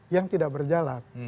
yang tidak berjalan